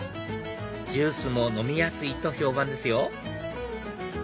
ジュースも飲みやすいと評判ですよ